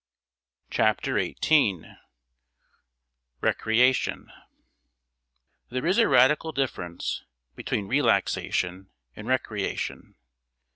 Chapter XVIII Recreation There is a radical difference between relaxation and recreation.